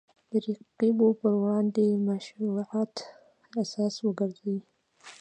د رقیبو پر وړاندې مشروعیت اساس وګرځي